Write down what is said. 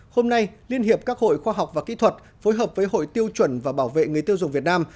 hôm nay liên hiệp các hội khoa học và kỹ thuật phối hợp với hội tiêu chuẩn và bảo vệ người tiêu dùng việt nam